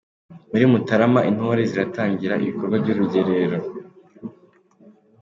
Muri Mutarama intore ziratangira ibikorwa by’urugerero